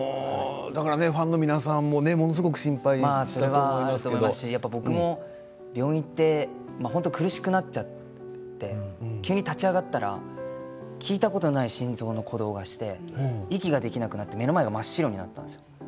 ファンの皆さんもものすごく心配したと僕も病院に行って苦しくなっちゃって急に立ち上がったら聞いたことがない心臓の鼓動がして息ができなくなって目の前が真っ白になったんです。